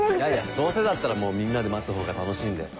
どうせだったらもうみんなで待つほうが楽しいんで。